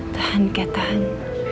tahan kat tahan